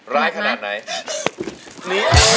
ร้ายขนาดไหน